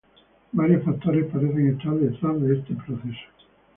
Varios factores parecen estar detrás de este proceso.